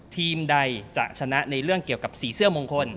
ทีมใดจะชนะในเรื่องเกี่ยวกับสีเสื้อมงคล